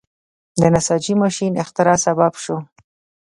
د نساجۍ ماشین اختراع سبب شو.